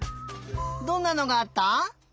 どんなのがあった？